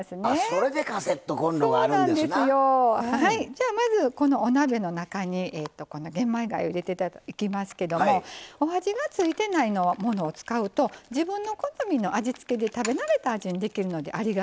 じゃあまずこのお鍋の中にこの玄米がゆ入れていきますけどもお味が付いてないものを使うと自分の好みの味付けで食べ慣れた味にできるのでありがたいんですよね。